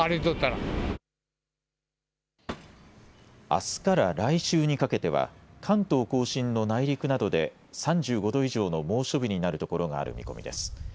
あすから来週にかけては関東甲信の内陸などで３５度以上の猛暑日になるところがある見込みです。